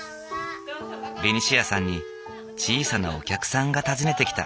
ベニシアさんに小さなお客さんが訪ねてきた。